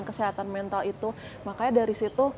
kesehatan mental itu makanya dari situ